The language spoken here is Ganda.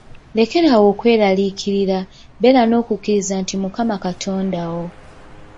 Lekera awo okweraliikirira, beera n’okukiriza nti Mukama Katonda wo.